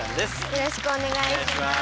よろしくお願いします。